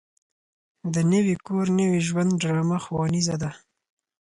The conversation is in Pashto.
د نوي کور نوي ژوند ډرامه ښوونیزه ده.